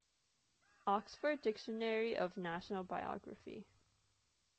"Oxford Dictionary of National Biography".